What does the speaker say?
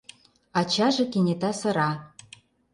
Ачаже кенета сыра: